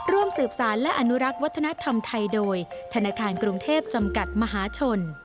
ร่วมสืบสารและอนุรักษ์วัฒนธรรมไทยโดยธนาคารกรุงเทพจำกัดมหาชน